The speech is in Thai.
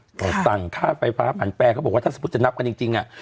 บอกสั่งค่าไฟฟ้าผันแปรเขาบอกว่าถ้าสมมุติจะนับกันจริงอ่ะ